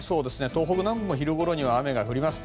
東北南部も昼ごろには雨が降ります。